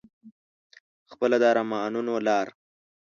خپله د ارمانونو لار